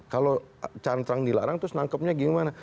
kalau cantrang dilarang terus nangkepnya gimana